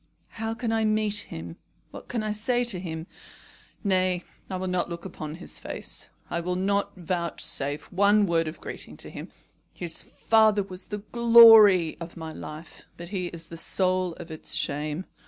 How can I meet him? What can I say to him? Nay, I will not look upon his face. I will not vouchsafe one word of greeting to him. His father was the glory of my life, but he is the soul of its shame.